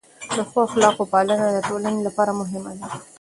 د ښو اخلاقو پالنه د ټولنې لپاره مهمه ده.